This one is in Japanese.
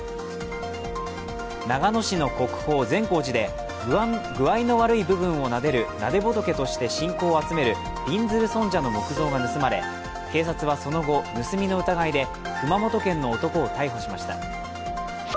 長野市の国宝、善光寺で具合の悪い部分をなでるなで仏として信仰を集めるびんずる尊者の木像が盗まれ、警察はその後、盗みの疑いで熊本県の男を逮捕しました。